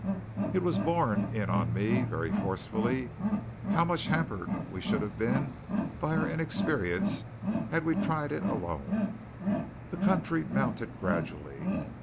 It was borne in on me very forcibly how much hampered we should have been by our inexperience had we tried it alone. The country mounted gradually.